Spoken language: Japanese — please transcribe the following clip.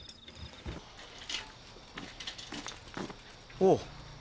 おう。